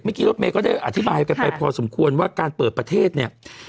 รถเมย์ก็ได้อธิบายกันไปพอสมควรว่าการเปิดประเทศเนี่ย